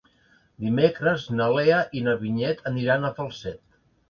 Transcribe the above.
Dimecres na Lea i na Vinyet aniran a Falset.